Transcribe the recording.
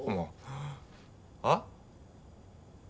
あっ。